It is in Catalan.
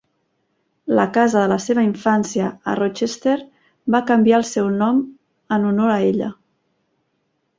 La casa de la seva infància a Rochester va canviar el seu nom en honor a ella.